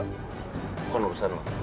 bukan urusan lo